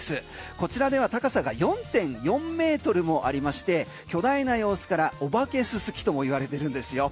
こちらでは高さが４．４ｍもありまして巨大な様子からお化けススキとも言われてるんですよ。